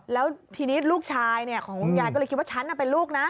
แล้วทีนี้ลูกชายของคุณยายก็เลยคิดว่าฉันเป็นลูกนะ